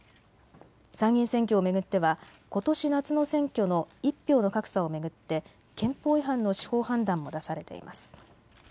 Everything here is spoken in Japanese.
参議院選挙を巡ってはことし夏の選挙の１票の格差を巡って憲法違反の司法判断も出されています。